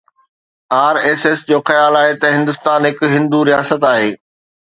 R S S جو خيال آهي ته هندستان هڪ هندو رياست آهي